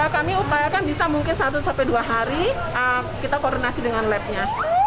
kami upayakan bisa mungkin satu dua hari kita koordinasi dengan lab nya